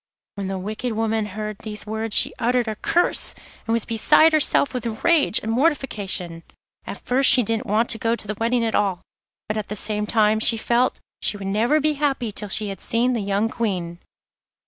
When the wicked woman heard these words she uttered a curse, and was beside herself with rage and mortification. At first she didn't want to go to the wedding at all, but at the same time she felt she would never be happy till she had seen the young Queen.